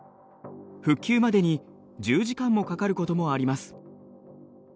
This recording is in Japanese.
復旧までに１０時間もかかることもあります。